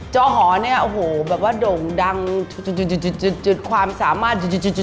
จอหอนี่โด่งดังความสามารถ